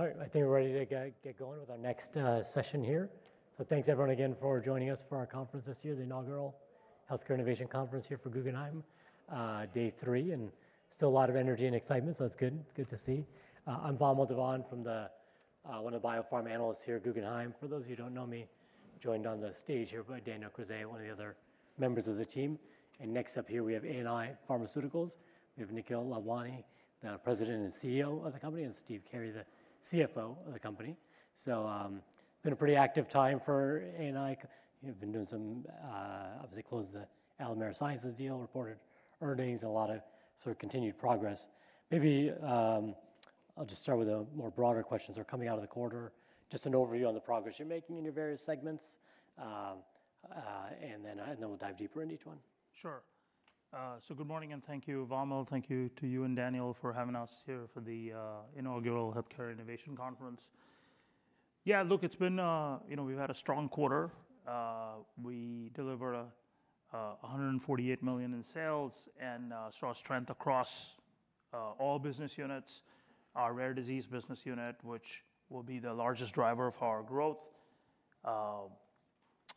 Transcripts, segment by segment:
All right, I think we're ready to get going with our next session here. So thanks, everyone, again for joining us for our conference this year, the inaugural Healthcare Innovation Conference here for Guggenheim, day three. And still a lot of energy and excitement, so that's good, good to see. I'm Vamil Divan from the one of the biopharma analysts here at Guggenheim. For those of you who don't know me, joined on the stage here by Daniel Krizay, one of the other members of the team. And next up here, we have ANI Pharmaceuticals. We have Nikhil Lalwani, the president and CEO of the company, and Steve Carey, the CFO of the company. So it's been a pretty active time for ANI. You've been doing some, obviously closed the Alimera Sciences deal, reported earnings, and a lot of sort of continued progress. Maybe I'll just start with a more broader question. So we're coming out of the quarter, just an overview on the progress you're making in your various segments, and then we'll dive deeper into each one. Sure. So good morning and thank you, Vamil. Thank you to you and Daniel for having us here for the inaugural Healthcare Innovation Conference. Yeah, look, it's been, you know, we've had a strong quarter. We delivered $148 million in sales and saw strength across all business units. Our Rare Disease business unit, which will be the largest driver of our growth,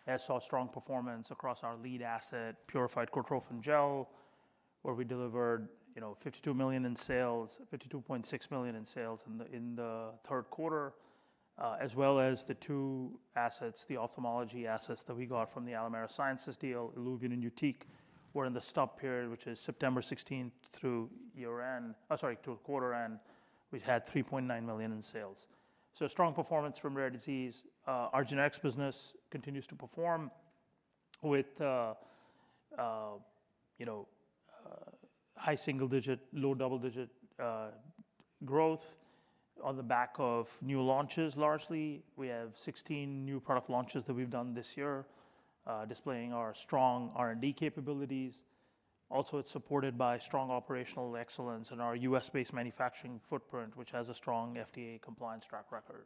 has saw strong performance across our lead asset, Purified Cortrophin Gel, where we delivered, you know, $52 million in sales, $52.6 million in sales in the third quarter, as well as the two assets, the ophthalmology assets that we got from the Alimera Sciences deal, ILUVIEN and YUTIQ, were in the stub period, which is September 16th through year-end, sorry, through quarter-end, we had $3.9 million in sales. So strong performance from Rare Disease. Our Generics business continues to perform with, you know, high single-digit, low double-digit growth on the back of new launches largely. We have 16 new product launches that we've done this year, displaying our strong R&D capabilities. Also, it's supported by strong operational excellence and our U.S.-based manufacturing footprint, which has a strong FDA compliance track record.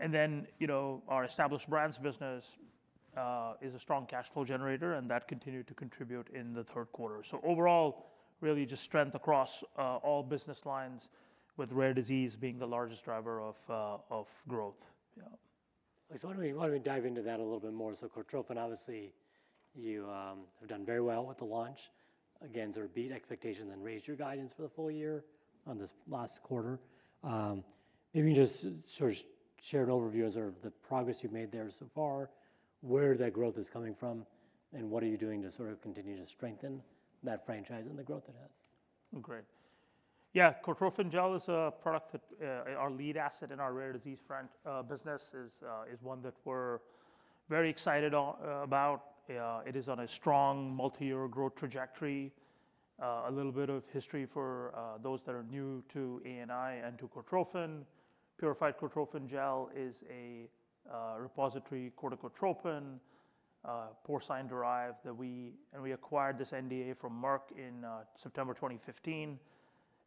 And then, you know, our established brands business is a strong cash flow generator, and that continued to contribute in the third quarter. So overall, really just strength across all business lines, with Rare Disease being the largest driver of growth. Yeah. So why don't we dive into that a little bit more? So Cortrophin, obviously, you have done very well with the launch. Again, sort of beat expectations and raised your guidance for the full year on this last quarter. Maybe you can just sort of share an overview of sort of the progress you've made there so far, where that growth is coming from, and what are you doing to sort of continue to strengthen that franchise and the growth it has? Oh, great. Yeah, Cortrophin Gel is a product that our lead asset in our Rare Disease front business is one that we're very excited about. It is on a strong multi-year growth trajectory. A little bit of history for those that are new to ANI and to Cortrophin. Purified Cortrophin Gel is a repository corticotropin, porcine-derived, that we acquired this NDA from Merck in September 2015.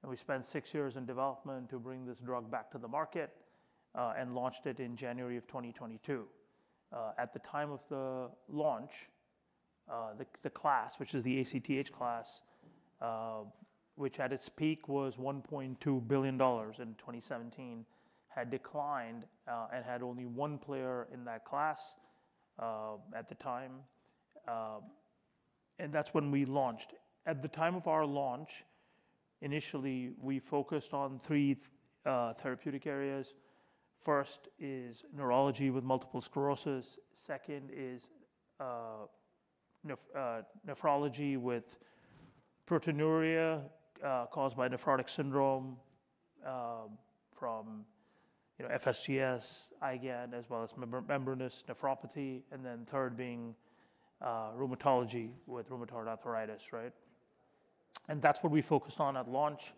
And we spent six years in development to bring this drug back to the market and launched it in January of 2022. At the time of the launch, the class, which is the ACTH class, which at its peak was $1.2 billion in 2017, had declined and had only one player in that class at the time. And that's when we launched. At the time of our launch, initially, we focused on three therapeutic areas. First is neurology with multiple sclerosis. Second is nephrology with proteinuria caused by nephrotic syndrome from FSGS, IgAN, as well as membranous nephropathy. And then third being rheumatology with rheumatoid arthritis, right? And that's what we focused on at launch.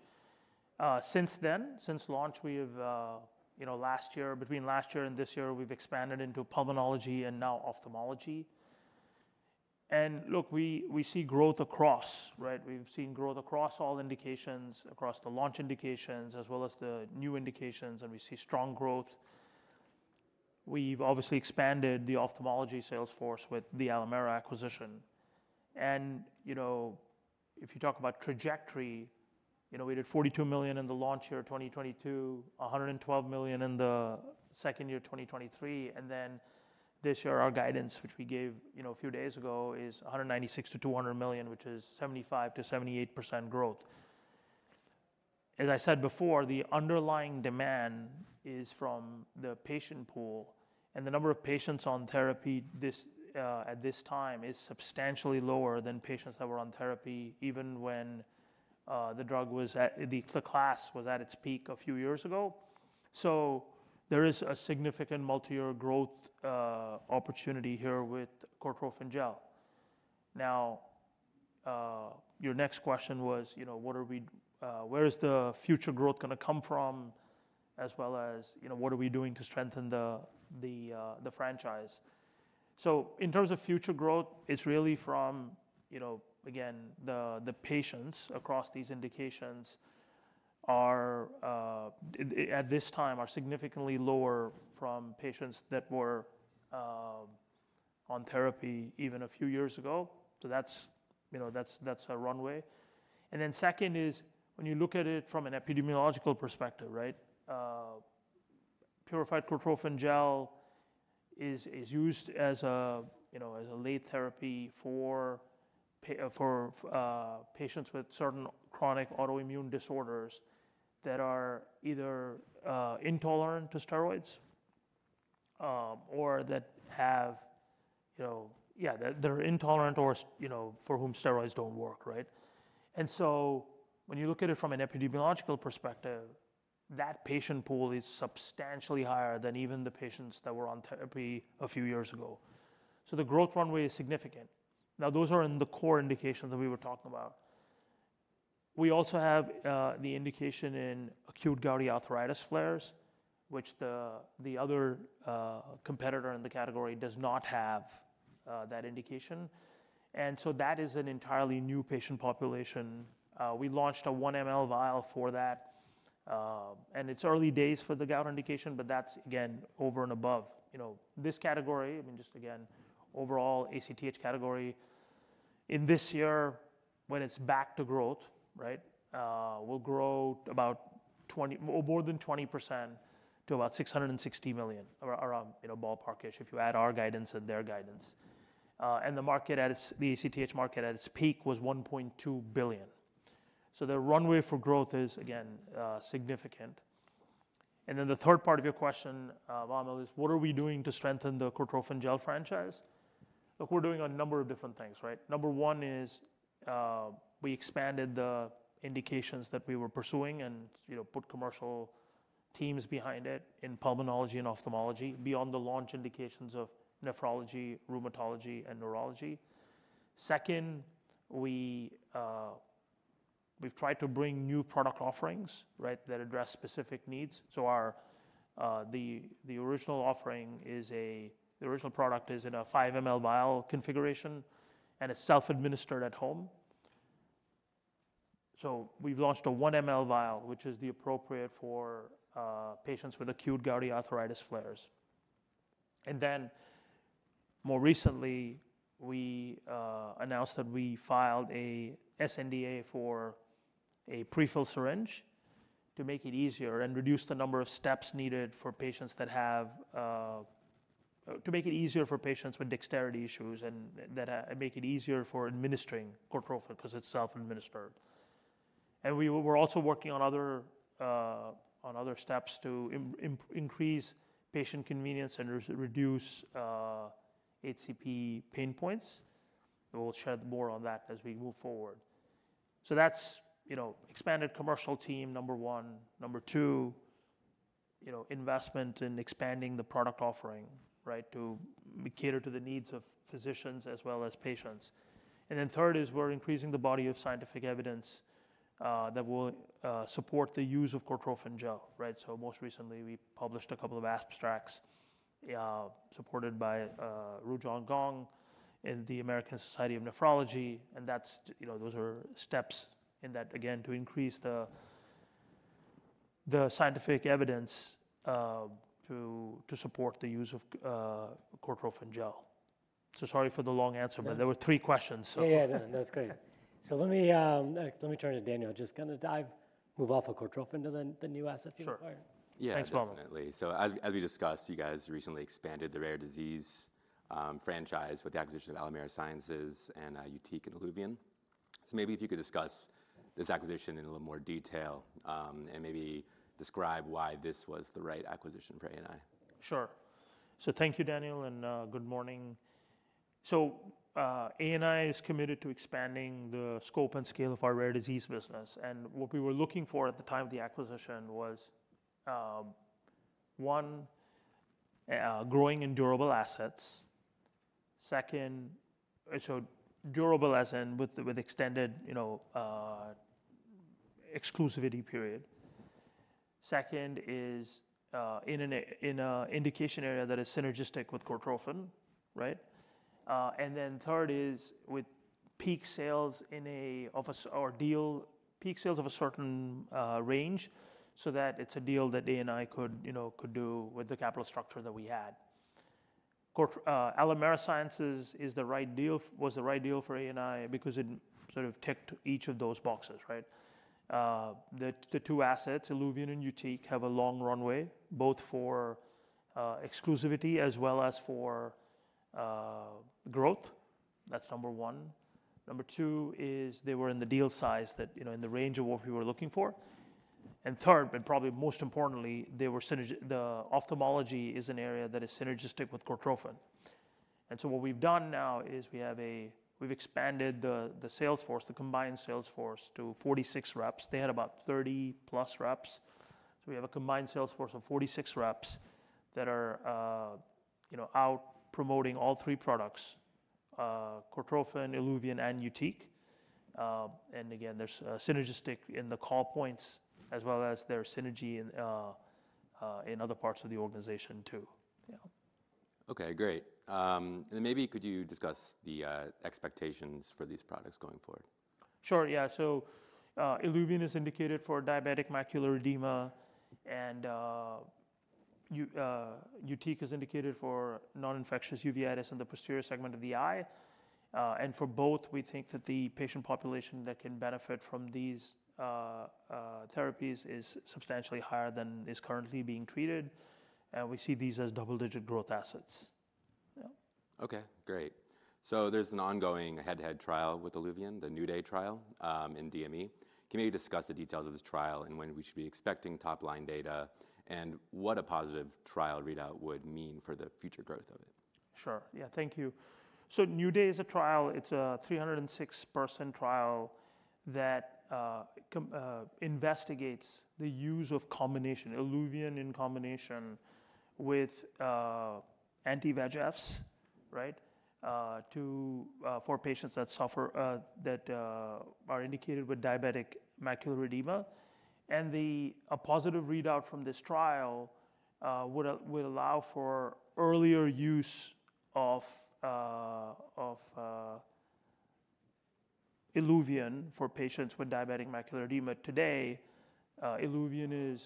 Since then, since launch, we have, you know, last year, between last year and this year, we've expanded into pulmonology and now ophthalmology. And look, we see growth across, right? We've seen growth across all indications, across the launch indications, as well as the new indications, and we see strong growth. We've obviously expanded the ophthalmology sales force with the Alimera acquisition. And, you know, if you talk about trajectory, you know, we did $42 million in the launch year 2022, $112 million in the second year 2023. And then this year, our guidance, which we gave, you know, a few days ago, is $196 million-$200 million, which is 75%-78% growth. As I said before, the underlying demand is from the patient pool, and the number of patients on therapy at this time is substantially lower than patients that were on therapy even when the drug was at, the class was at its peak a few years ago. So there is a significant multi-year growth opportunity here with Cortrophin Gel. Now, your next question was, you know, what are we, where is the future growth going to come from, as well as, you know, what are we doing to strengthen the franchise? So in terms of future growth, it's really from, you know, again, the patients across these indications are, at this time, significantly lower from patients that were on therapy even a few years ago. So that's, you know, that's a runway. And then second is, when you look at it from an epidemiological perspective, right? Purified Cortrophin Gel is used as a, you know, as a late therapy for patients with certain chronic autoimmune disorders that are either intolerant to steroids or that have, you know, yeah, that they're intolerant or, you know, for whom steroids don't work, right? And so when you look at it from an epidemiological perspective, that patient pool is substantially higher than even the patients that were on therapy a few years ago. So the growth runway is significant. Now, those are in the core indications that we were talking about. We also have the indication in acute gouty arthritis flares, which the other competitor in the category does not have that indication. And so that is an entirely new patient population. We launched a 1 mL vial for that. It's early days for the gout indication, but that's, again, over and above, you know, this category, I mean, just again, overall ACTH category. In this year, when it's back to growth, right, we'll grow about 20% or more than 20% to about $660 million, around, you know, ballpark-ish, if you add our guidance and their guidance. The market at its, the ACTH market at its peak was $1.2 billion. So the runway for growth is, again, significant. The third part of your question, Vamil, is what are we doing to strengthen the Cortrophin Gel franchise? Look, we're doing a number of different things, right? Number one is we expanded the indications that we were pursuing and, you know, put commercial teams behind it in pulmonology and ophthalmology beyond the launch indications of nephrology, rheumatology, and neurology. Second, we've tried to bring new product offerings, right, that address specific needs. Our original product is in a 5 mL vial configuration and it's self-administered at home. We've launched a 1 mL vial, which is appropriate for patients with acute gouty arthritis flares. Then more recently, we announced that we filed an SNDA for a prefill syringe to make it easier and reduce the number of steps needed for patients with dexterity issues and that make it easier for administering Cortrophin because it's self-administered. We were also working on other steps to increase patient convenience and reduce HCP pain points. We'll shed more on that as we move forward. That's, you know, expanded commercial team, number one. Number two, you know, investment in expanding the product offering, right, to cater to the needs of physicians as well as patients. And then third is we're increasing the body of scientific evidence that will support the use of Cortrophin Gel, right? So most recently, we published a couple of abstracts supported by Rujun Gong and the American Society of Nephrology. And that's, you know, those are steps in that, again, to increase the scientific evidence to support the use of Cortrophin Gel. So sorry for the long answer, but there were three questions, so. Yeah, that's great. So let me turn to Daniel. Just going to move off of Cortrophin to the new asset you've acquired. Sure. Yeah, definitely, so as we discussed, you guys recently expanded the Rare Disease franchise with the acquisition of Alimera Sciences and YUTIQ and ILUVIEN, so maybe if you could discuss this acquisition in a little more detail and maybe describe why this was the right acquisition for ANI. Sure. So thank you, Daniel, and good morning. ANI is committed to expanding the scope and scale of our Rare Disease business. What we were looking for at the time of the acquisition was, one, growing in durable assets. Second, so durable as in with extended, you know, exclusivity period. Second is in an indication area that is synergistic with Cortrophin, right? And then third is with peak sales of a certain range so that it's a deal that ANI could, you know, do with the capital structure that we had. Alimera Sciences is the right deal, was the right deal for ANI because it sort of ticked each of those boxes, right? The two assets, ILUVIEN and YUTIQ, have a long runway, both for exclusivity as well as for growth. That's number one. Number two is they were in the deal size that, you know, in the range of what we were looking for. And third, and probably most importantly, they were synergistic. The ophthalmology is an area that is synergistic with Cortrophin. And so what we've done now is we have a, we've expanded the sales force, the combined sales force to 46 reps. They had about 30 plus reps. So we have a combined sales force of 46 reps that are, you know, out promoting all three products, Cortrophin, ILUVIEN, and YUTIQ. And again, there's synergy in the call points as well as their synergy in other parts of the organization too. Yeah. Okay, great. And then maybe could you discuss the expectations for these products going forward? Sure, yeah. So ILUVIEN is indicated for diabetic macular edema, and YUTIQ is indicated for non-infectious uveitis in the posterior segment of the eye. And for both, we think that the patient population that can benefit from these therapies is substantially higher than is currently being treated. And we see these as double-digit growth assets. Yeah. Okay, great. So there's an ongoing head-to-head trial with ILUVIEN, the NEW DAY Trial in DME. Can you maybe discuss the details of this trial and when we should be expecting top-line data and what a positive trial readout would mean for the future growth of it? Sure, yeah, thank you. So NEW DAY is a trial. It's a 306-person trial that investigates the use of combination, ILUVIEN in combination with anti-VEGFs, right, for patients that suffer, that are indicated with diabetic macular edema. And the positive readout from this trial would allow for earlier use of ILUVIEN for patients with diabetic macular edema. Today, ILUVIEN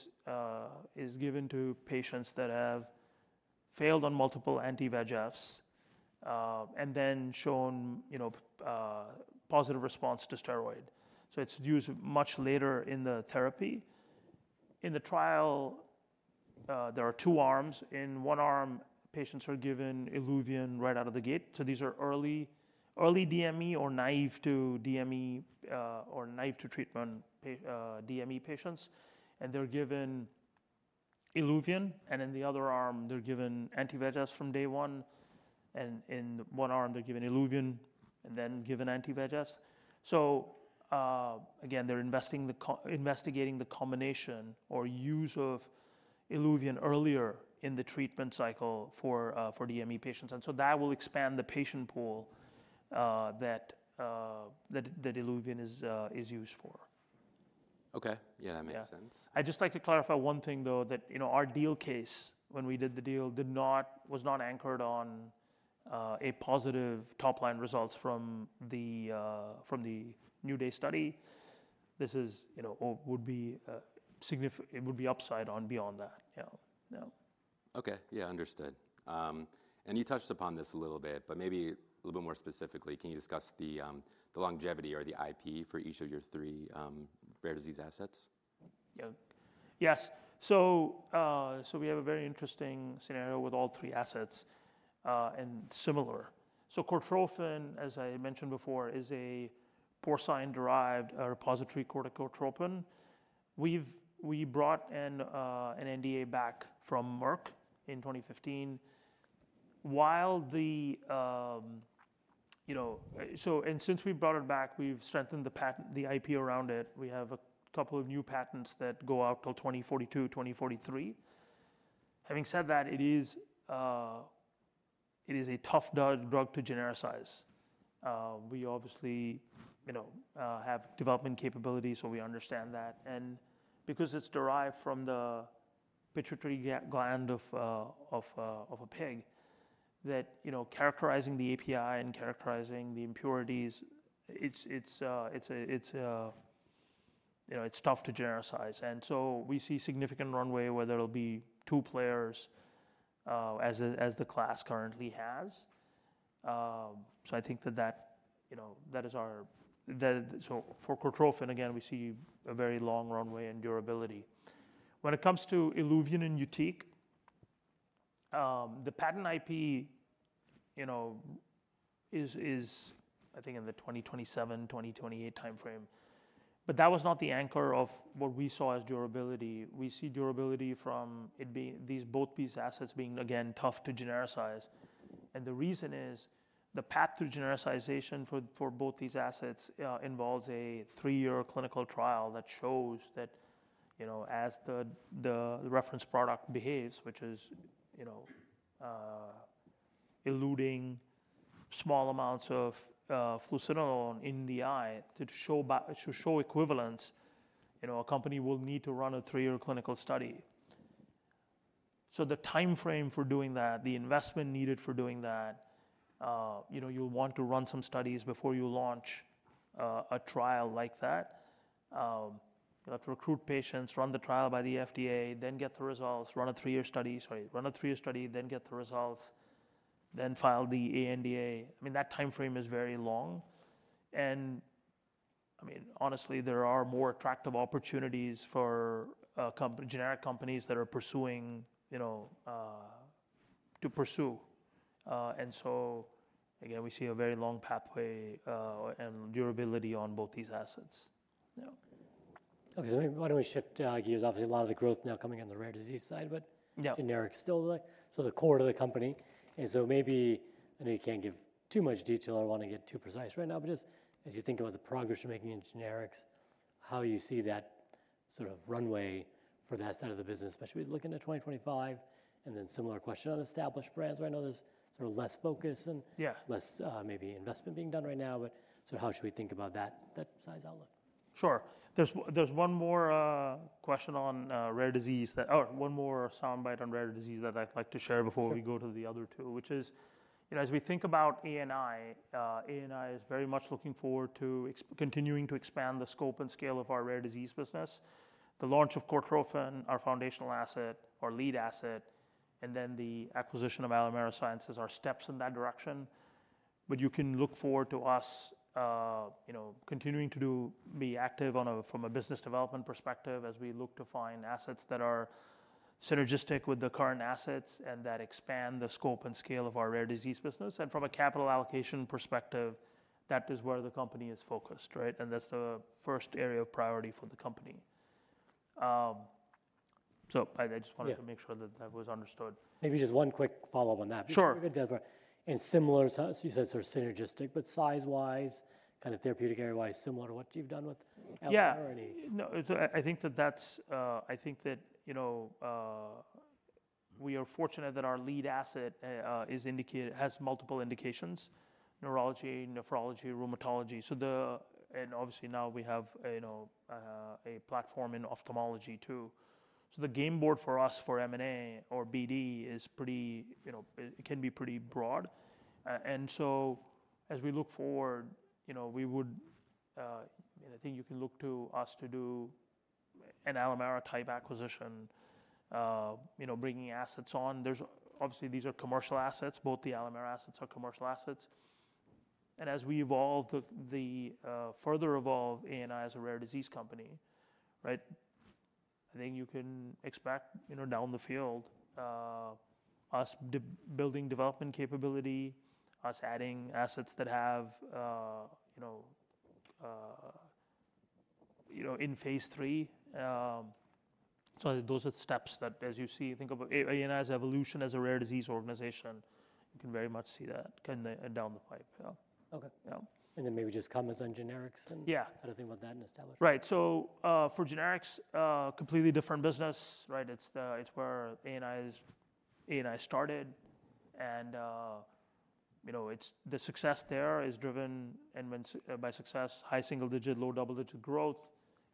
is given to patients that have failed on multiple anti-VEGFs and then shown, you know, positive response to steroid. So it's used much later in the therapy. In the trial, there are two arms. In one arm, patients are given ILUVIEN right out of the gate. So these are early, early DME or naive to DME or naive to treatment DME patients. And they're given ILUVIEN. And in the other arm, they're given anti-VEGFs from day one. And in one arm, they're given ILUVIEN and then given anti-VEGFs. Again, they're investigating the combination or use of ILUVIEN earlier in the treatment cycle for DME patients. That will expand the patient pool that ILUVIEN is used for. Okay, yeah, that makes sense. I'd just like to clarify one thing though, that, you know, our deal case, when we did the deal, did not, was not anchored on a positive top-line results from the NEW DAY study. This is, you know, would be a significant, it would be upside on beyond that, yeah, yeah. Okay, yeah, understood. And you touched upon this a little bit, but maybe a little bit more specifically, can you discuss the longevity or the IP for each of your three Rare Disease assets? Yeah, yes. So we have a very interesting scenario with all three assets and similar. So Cortrophin, as I mentioned before, is a porcine-derived repository corticotropin. We've brought in an NDA back from Merck in 2015. While the, you know, so, and since we brought it back, we've strengthened the patent, the IP around it. We have a couple of new patents that go out till 2042, 2043. Having said that, it is a tough drug to genericize. We obviously, you know, have development capabilities, so we understand that. And because it's derived from the pituitary gland of a pig, that, you know, characterizing the API and characterizing the impurities, it's a, you know, it's tough to genericize. And so we see significant runway, whether it'll be two players as the class currently has. I think that, you know, that is our, so for Cortrophin, again, we see a very long runway and durability. When it comes to ILUVIEN and YUTIQ, the patent IP, you know, is, I think in the 2027, 2028 timeframe. But that was not the anchor of what we saw as durability. We see durability from it being both these assets being, again, tough to genericize. And the reason is the path to genericization for both these assets involves a three-year clinical trial that shows that, you know, as the reference product behaves, which is, you know, eluting small amounts of fluocinolone in the eye to show equivalence, you know, a company will need to run a three-year clinical study. So the timeframe for doing that, the investment needed for doing that, you know, you'll want to run some studies before you launch a trial like that. You'll have to recruit patients, run the trial by the FDA, then get the results, run a three-year study, then get the results, then file the ANDA. I mean, that timeframe is very long, and I mean, honestly, there are more attractive opportunities for generic companies that are pursuing, you know, to pursue, and so again, we see a very long pathway and durability on both these assets. Yeah. Okay, so maybe, why don't we shift gears? Obviously, a lot of the growth now coming on the Rare Disease side, but generics still, like, so the core of the company, and so maybe, I know you can't give too much detail or want to get too precise right now, but just as you think about the progress you're making in generics, how you see that sort of runway for that side of the business, especially as we look into 2025? And then similar question on established brands right now, there's sort of less focus and less, maybe, investment being done right now, but sort of how should we think about that size outlook? Sure. There's one more question on Rare Disease that, or one more sound bite on Rare Disease that I'd like to share before we go to the other two, which is, you know, as we think about ANI, ANI is very much looking forward to continuing to expand the scope and scale of our Rare Disease business. The launch of Cortrophin, our foundational asset, our lead asset, and then the acquisition of Alimera Sciences are steps in that direction. But you can look forward to us, you know, continuing to be active from a business development perspective as we look to find assets that are synergistic with the current assets and that expand the scope and scale of our Rare Disease business. And from a capital allocation perspective, that is where the company is focused, right? And that's the first area of priority for the company. So I just wanted to make sure that that was understood. Maybe just one quick follow-up on that. Sure. And similar to, you said sort of synergistic, but size-wise, kind of therapeutic area-wise, similar to what you've done with Alimera or any? Yeah, no, I think that that's, you know, we are fortunate that our lead asset is indicated, has multiple indications, neurology, nephrology, rheumatology. So, and obviously now we have, you know, a platform in ophthalmology too. So the game board for us for M&A or BD is pretty, you know, it can be pretty broad. And so as we look forward, you know, we would, I mean, I think you can look to us to do an Alimera-type acquisition, you know, bringing assets on. There's obviously, these are commercial assets. Both the Alimera assets are commercial assets. And as we evolve, the further evolve ANI as a Rare Disease company, right? I think you can expect, you know, down the field, us building development capability, us adding assets that have, you know, in phase three. So those are the steps that, as you see, think of ANI's evolution as a Rare Disease organization. You can very much see that down the pipe. Yeah. Okay. And then maybe just comments on generics and how to think about that and establish? Right. So for generics, completely different business, right? It's where ANI started. And, you know, it's the success there is driven by success. High single-digit, low double-digit growth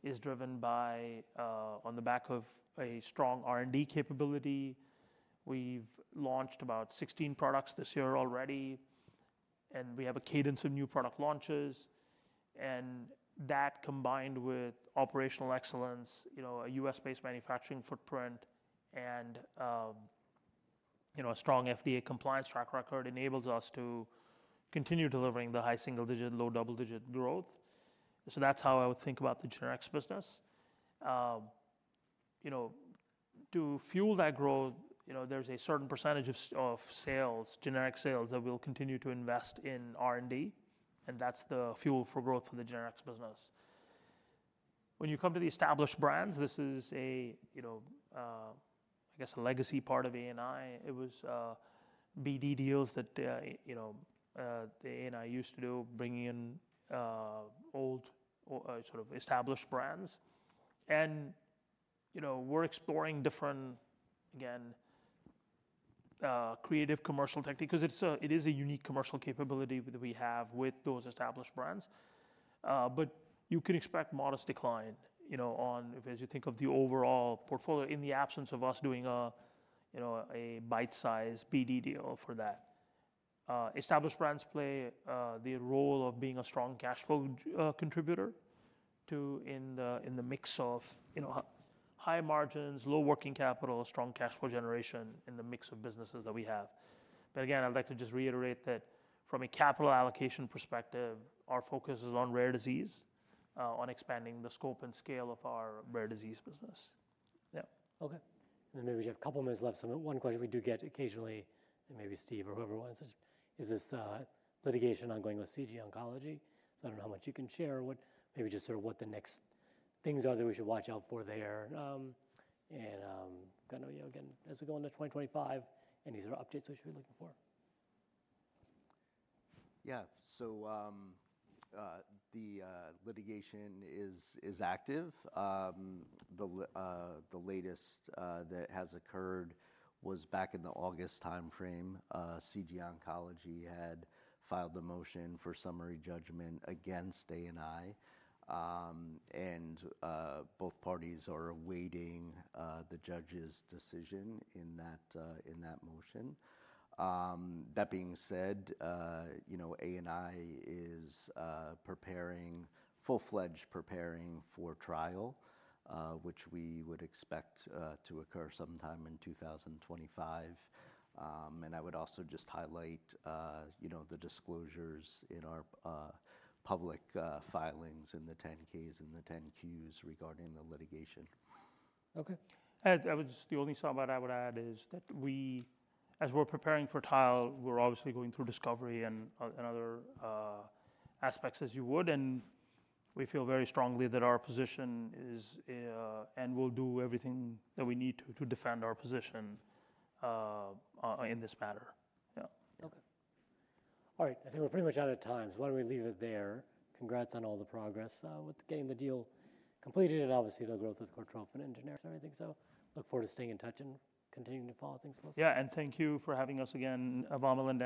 is driven by, on the back of a strong R&D capability. We've launched about 16 products this year already. And we have a cadence of new product launches. And that combined with operational excellence, you know, a U.S.-based manufacturing footprint and, you know, a strong FDA compliance track record enables us to continue delivering the high single-digit, low double-digit growth. So that's how I would think about the generics business. You know, to fuel that growth, you know, there's a certain percentage of sales, generic sales that we'll continue to invest in R&D. And that's the fuel for growth for the generics business. When you come to the established brands, this is a, you know, I guess a legacy part of ANI. It was BD deals that, you know, the ANI used to do, bringing in old sort of established brands, and you know, we're exploring different, again, creative commercial techniques because it is a unique commercial capability that we have with those established brands, but you can expect modest decline, you know, on, as you think of the overall portfolio in the absence of us doing a, you know, a bite-sized BD deal for that. Established brands play the role of being a strong cash flow contributor to, in the mix of, you know, high margins, low working capital, strong cash flow generation in the mix of businesses that we have, but again, I'd like to just reiterate that from a capital allocation perspective, our focus is on Rare Disease, on expanding the scope and scale of our Rare Disease business. Yeah. Okay. And then maybe we have a couple of minutes left. So one question we do get occasionally, and maybe Steve or whoever wants to, is this litigation ongoing with CG Oncology? So I don't know how much you can share or what, maybe just sort of what the next things are that we should watch out for there. And I know you know, again, as we go into 2025, any sort of updates we should be looking for? Yeah, so the litigation is active. The latest that has occurred was back in the August timeframe. CG Oncology had filed a motion for summary judgment against ANI, and both parties are awaiting the judge's decision in that motion. That being said, you know, ANI is preparing, full-fledged preparing for trial, which we would expect to occur sometime in 2025. And I would also just highlight, you know, the disclosures in our public filings in the 10-Ks and the 10-Qs regarding the litigation. Okay. I would just, the only sound bite I would add is that we, as we're preparing for trial, we're obviously going through discovery and other aspects as you would. And we feel very strongly that our position is, and we'll do everything that we need to defend our position in this matter. Yeah. Okay. All right. I think we're pretty much out of time. So why don't we leave it there? Congrats on all the progress with getting the deal completed and obviously the growth with Cortrophin and generics and everything. So look forward to staying in touch and continuing to follow things closely. Yeah, and thank you for having us again.